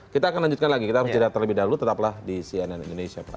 kita akan lanjutkan lagi kita harus jeda terlebih dahulu tetaplah di cnn indonesia prime